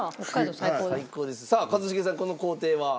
さあ一茂さんこの工程は？